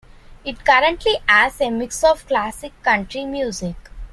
It currently airs a mix of classic country music.